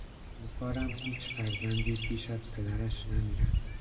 امیدوارم هیچ فرزندی پیش از پدرش نمیرد.